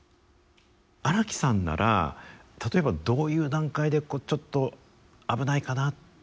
荒木さんなら例えばどういう段階でちょっと危ないかなって考え始めるんですか。